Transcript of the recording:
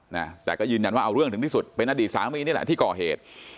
นะแต่ก็ยืนยันว่าเอาเรื่องถึงที่สุดเป็นอดีตสามีนี่แหละที่ก่อเหตุ